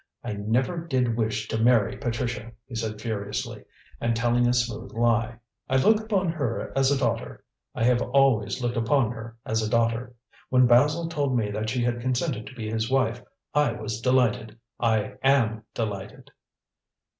"I never did wish to marry Patricia," he said furiously, and telling a smooth lie. "I look upon her as a daughter. I have always looked upon her as a daughter. When Basil told me that she had consented to be his wife, I was delighted. I am delighted."